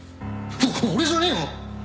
お俺じゃねえよ！